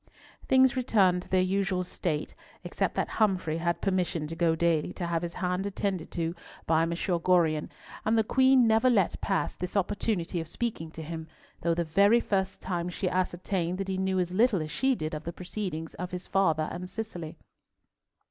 Things returned to their usual state except that Humfrey had permission to go daily to have his hand attended to by M. Gorion, and the Queen never let pass this opportunity of speaking to him, though the very first time she ascertained that he knew as little as she did of the proceedings of his father and Cicely.